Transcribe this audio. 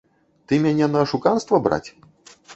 Ты мяне на ашуканства браць?